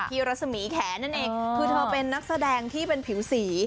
รัศมีแขนนั่นเองคือเธอเป็นนักแสดงที่เป็นผิวสี